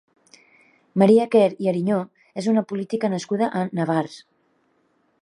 Maria Quer i Ariñó és una política nascuda a Navars.